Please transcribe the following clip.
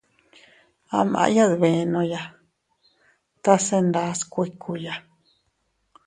A maʼya dbenoya tase ndas kuikkuya.